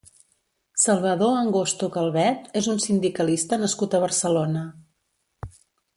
Salvador Angosto Calvet és un sindicalista nascut a Barcelona.